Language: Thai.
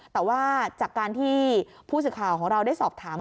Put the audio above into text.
แต่ว่าจากการที่ผู้สื่อข่าวของเราได้สอบถาม